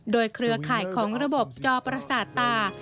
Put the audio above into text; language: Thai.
โดยเครือข่ายของระบบจอประสาทตา